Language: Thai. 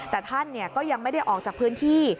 แต่ท่านก็ยังไม่ได้ออกจากพื้นที่